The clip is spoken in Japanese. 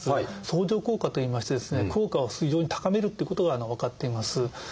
相乗効果といいまして効果を非常に高めるということが分かっています。